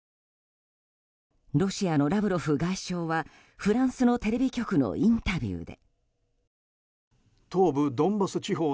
ロシアのラブロフ外相はフランスのテレビ局のインタビューで。